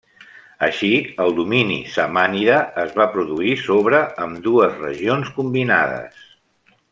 Així, el domini samànida es va produir sobre ambdues regions combinades.